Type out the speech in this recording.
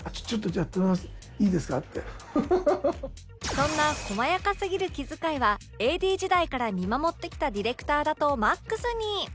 そんな細やかすぎる気遣いは ＡＤ 時代から見守ってきたディレクターだと ＭＡＸ に！